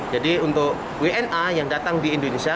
jadi untuk wna yang datang di indonesia